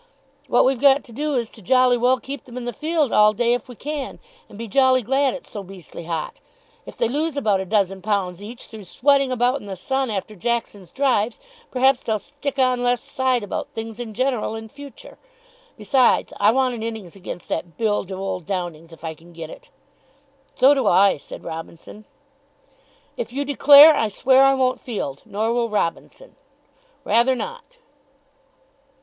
What we've got to do is to jolly well keep them in the field all day if we can, and be jolly glad it's so beastly hot. If they lose about a dozen pounds each through sweating about in the sun after Jackson's drives, perhaps they'll stick on less side about things in general in future. Besides, I want an innings against that bilge of old Downing's, if I can get it." "So do I," said Robinson. "If you declare, I swear I won't field. Nor will Robinson." "Rather not."